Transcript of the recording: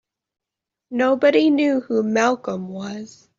Nobody knew who Malcolm was.